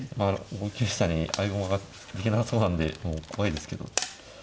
５九飛車に合駒ができなそうなんでもう怖いですけど。